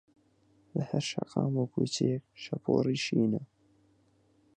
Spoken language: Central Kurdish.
لەهەر شەقام و کووچەیەک شەپۆڕی شینە